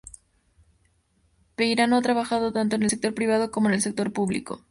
Peirano ha trabajado tanto en el sector privado como en el sector público.